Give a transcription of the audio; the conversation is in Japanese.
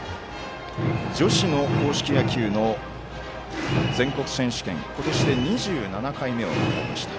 女子の公式野球の全国選手権今年で２７回目を迎えました。